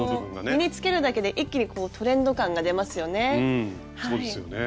身に着けるだけで一気にこうトレンド感が出ますよね。